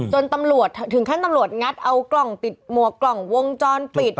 จนตำรวจถึงขั้นตำรวจงัดเอากล่องปิดหมวกกล่องวงจรปิด